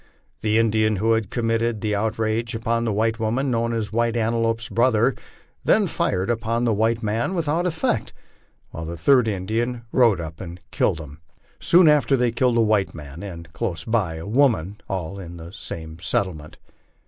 The Indian who had committed the outrage upon the white woman, known as White Antelope's brother, then fired upon the white man without effect, while the third Indian rode up and killed him. Soon after they killed a white man, and, close by, a woman all in the same settlement.